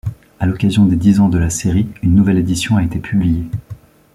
À l'occasion des dix ans de la série, une nouvelle édition a été publiée.